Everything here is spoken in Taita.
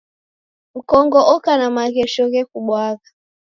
Mkongo oka na maghesho ghekubwagha.